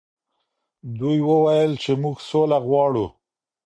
دوی وویل چې موږ سوله غواړو.